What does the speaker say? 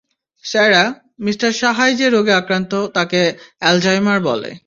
Sarah, mister সাহায় যে রোগে আক্রান্ত তাকে অ্যালজহাইমার বলে।